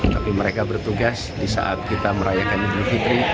tapi mereka bertugas di saat kita merayakan idul fitri